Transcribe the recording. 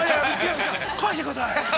◆返してください。